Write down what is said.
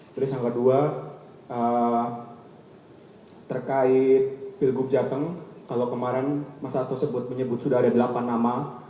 terus yang kedua terkait pilgub jateng kalau kemarin mas asto sebut sudah ada delapan nama